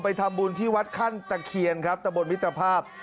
ทำบุญที่วัดขั้นตะเคียนครับตะบนมิตรภาพ